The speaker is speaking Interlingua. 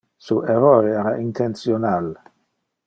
Su error era intentional.